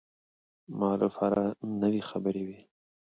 ما لپاره نوې خبرې وې.